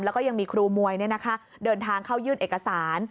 แล้วก็ยังมีครูมวยเดินทางเข้ายื่นเอกสาร